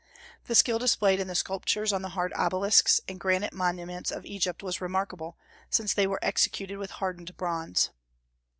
The skill displayed in the sculptures on the hard obelisks and granite monuments of Egypt was remarkable, since they were executed with hardened bronze.